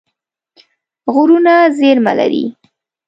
غرونه زیرمه لري.